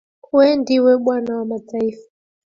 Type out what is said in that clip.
Wewe ndiwe bwana wa mataifa.